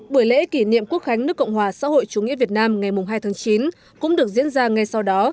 buổi lễ kỷ niệm quốc khánh nước cộng hòa xã hội chủ nghĩa việt nam ngày hai tháng chín cũng được diễn ra ngay sau đó